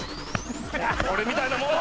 俺みたいなもんは！